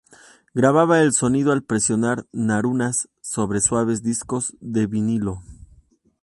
Grababa el sonido al presionar ranuras sobre suaves discos de vinilo.